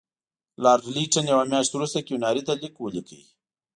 لارډ لیټن یوه میاشت وروسته کیوناري ته لیک ولیکه.